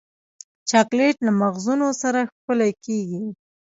چاکلېټ له مغزونو سره ښکلی کېږي.